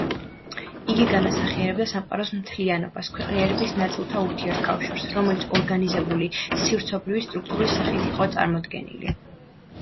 იგი განასახიერებდა სამყაროს მთლიანობას, ქვეყნიერების ნაწილთა ურთიერთკავშირს, რომელიც ორგანიზებული, სივრცობრივი სტრუქტურის სახით იყო წარმოდგენილი.